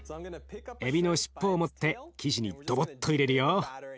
えびの尻尾を持って生地にドボッと入れるよ。